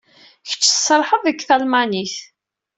Kecc tserrḥeḍ deg talmanit.